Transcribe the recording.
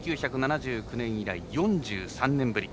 １９７９年以来４３年ぶり。